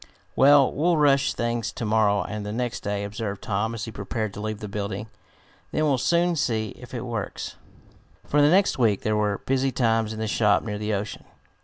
"Well, we'll rush things to morrow and the next day," observed Tom as he prepared to leave the building. "Then we'll soon see if it works." For the next week there were busy times in the shop near the ocean.